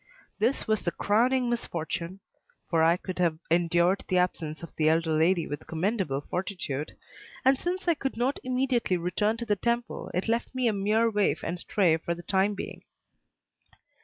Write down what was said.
This was the crowning misfortune (for I could have endured the absence of the elder lady with commendable fortitude), and since I could not immediately return to the Temple it left me a mere waif and stray for the time being.